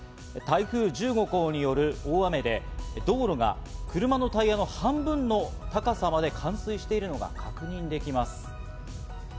台風１５号による大雨で道路が車のタイヤの半分ほどの高さまで冠水しているのが確認できます。